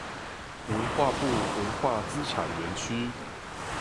文化部文化資產園區